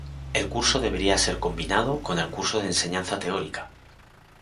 El curso debería ser combinado con el curso de enseñanza teórica.